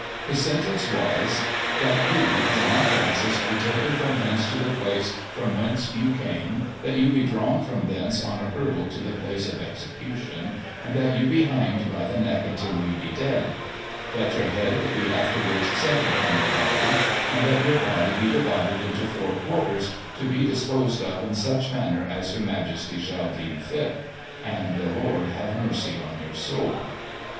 His sentence was :" That you, John Francis, be taken from hence to the place from whence you came, that you be drawn from thence on a hurdle to the place of execution, and that yoti be hanged by the neck until you be dead : that your head be, afterwards, severed from your body, and that your body be divided into four quarters, to be disposed of in such manner as Her Majesty shall deem fit And the Lord have mercy on your soul